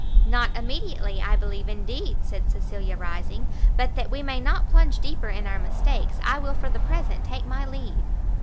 "Not immediately, I believe indeed," said Cecilia, rising, "but that we may not plunge deeper in our mistakes, I will for the present take my leave."